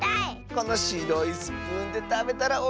このしろいスプーンでたべたらおいしそう！